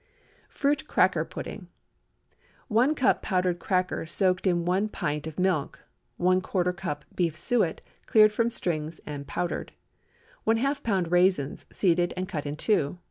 FRUIT CRACKER PUDDING. 1 cup powdered cracker soaked in one pint of milk. ¼ lb. beef suet, cleared from strings and powdered. ½ lb. raisins, seeded and cut in two.